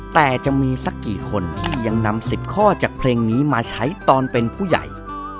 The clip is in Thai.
แต่จะมีสักกี่คนที่ยังนำ๑๐ข้อจากเพลงนี้มาใช้ตอนเป็นผู้ใหญ่